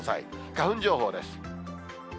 花粉情報です。